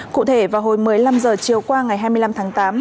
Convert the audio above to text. cụ thể vào hồi một mươi năm h chiều qua ngày hai mươi năm tháng tám